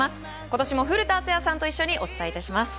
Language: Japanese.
ことしも古田敦也さんと一緒にお伝えいたします。